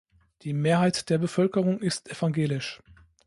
Die Mehrheit der Bevölkerung ist evangelisch.